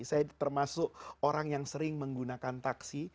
saya termasuk orang yang sering menggunakan taksi